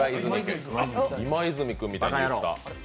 今泉君みたいに言った。